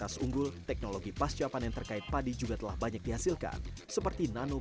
selamat pagi mbak desi sehat